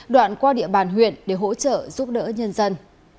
đoạn qua địa bàn huyện để hỗ trợ giúp đỡ nhân dân